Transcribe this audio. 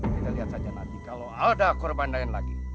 kita lihat saja nanti kalau ada korban lain lagi